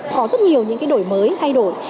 có rất nhiều những cái đổi mới thay đổi